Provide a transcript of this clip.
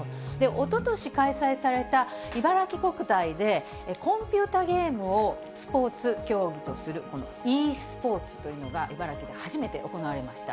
おととし開催された茨城国体でコンピューターゲームをスポーツ競技とする、ｅスポーツというのが、茨城で初めて行われました。